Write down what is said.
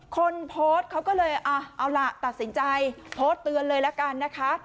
คนโพสต์เขาก็เลยเอาล่ะตัดสินใจโพสต์เตือนเลยละกันนะคะ